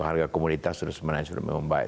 harga komoditas sudah sebenarnya sudah memang baik